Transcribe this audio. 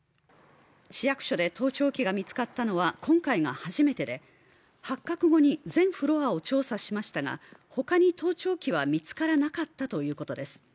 市役所で盗聴器が見つかったのは今回が初めてで、発覚後に全フロアを調査しましたが、他に盗聴器は見つからなかったということです。